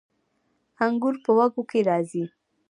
انګور په وږو کې راځي